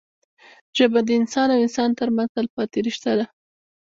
ژبه د انسان او انسان ترمنځ تلپاتې رشته ده